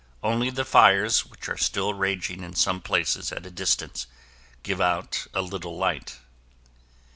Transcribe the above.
Only the fires, which are still raging in some places at a distance, give out a little light.